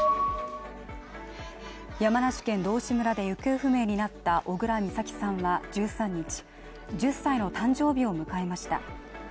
山梨県道志村で行方不明になった小倉美咲さんは１３日、１０歳の誕生日を迎えました。